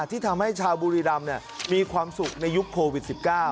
ที่ทำให้ชาวบุรีรำมีความสุขในยุคโควิด๑๙